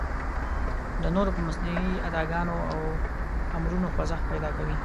د نورو په مصنوعي اداګانو او امرونو خوځښت پیدا کوي.